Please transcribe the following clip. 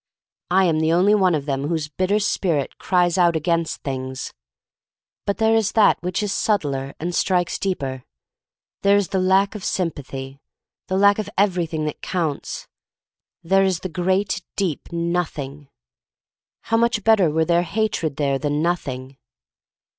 I am the only one of them whose bitter spirit cries out against things. But there is that which is subtler and strikes deeper. There is the lack of sympathy — the lack of everything that counts: there is the great, deep Noth ing. How much better were there hatred here than Nothing!